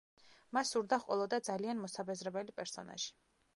მას სურდა ჰყოლოდა ძალიან მოსაბეზრებელი პერსონაჟი.